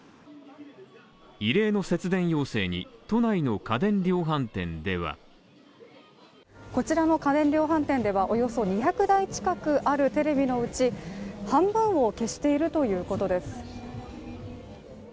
異例の節電要請に、都内の家電量販店ではこちらの家電量販店ではおよそ２００台近くあるテレビのうち半分を消しているということです。